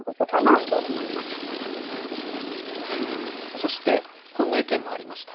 そしてこんな意見もありました。